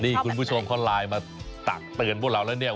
นี่คุณผู้ชมเขาไลน์มาตักเตือนพวกเราแล้วเนี่ย